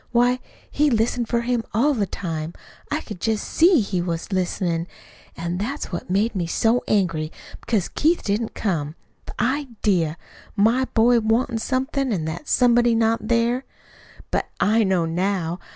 Why, he listened for him all the time. I could just SEE he was listenin'. An' that's what made me so angry, because Keith didn't come. The idea! My boy wantin' somebody, an' that somebody not there! "But I know now.